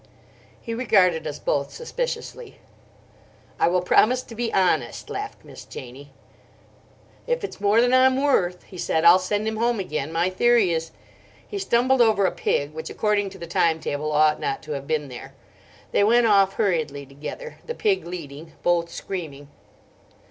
He regarded us both suspiciously. "I will promise to be honest," laughed Miss Janie. "If it's more than I'm worth," he said, "I'll send him home again. My theory is—" He stumbled over a pig which, according to the time table, ought not to have been there. They went off hurriedly together, the pig leading, both screaming.